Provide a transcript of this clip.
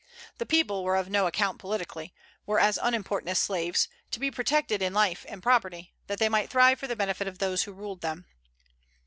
The people were of no account politically; were as unimportant as slaves, to be protected in life and property, that they might thrive for the benefit of those who ruled them.